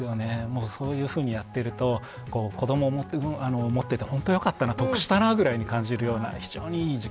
もうそういうふうにやってると子どもを持ってて本当よかったな得したなぐらいに感じるような非常にいい時間でしたね。